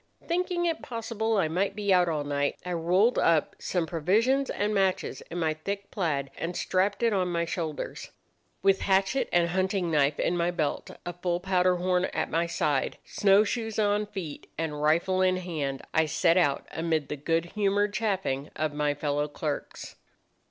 "Thinking it possible I might be out all night, I rolled up some provisions and matches in my thick plaid, and strapped it on my shoulders. With hatchet and hunting knife in my belt, a full powder horn at my side, snowshoes on feet and rifle in hand, I set out amid the good humoured chaffing of my fellow clerks.